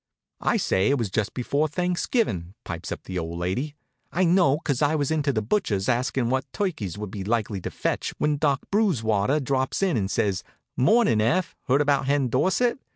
"I say it was just before Thanksgivin'," pipes up the old lady. "I know, 'cause I was into the butcher's askin' what turkeys would be likely to fetch, when Doc Brewswater drops in and says: 'Mornin', Eph. Heard about Hen Dorsett?'